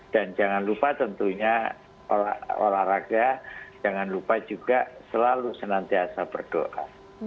dan jangan lupa tentunya olahraga jangan lupa juga selalu senantiasa berdoa